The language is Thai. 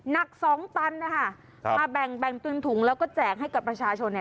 นักสองตันนะคะครับมาแบ่งเปิดถุงแล้วก็แจ่งให้กับประชาชนนี่